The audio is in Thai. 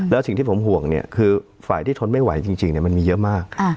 แล้วสิ่งที่ผมห่วงเนี่ยคือฝ่ายที่ทนไม่ไหวจริงมันมีเยอะมาก